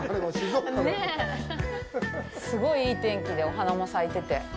すごいいい天気で、お花も咲いてて。